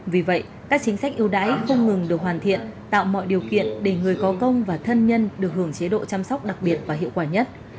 vì vậy các chính sách ưu đãi không ngừng được hoàn thiện tạo mọi điều kiện để người có công và thân nhân được hưởng chế độ chăm sóc đặc biệt và hiệu quả nhất